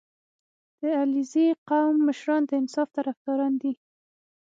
• د علیزي قوم مشران د انصاف طرفداران دي.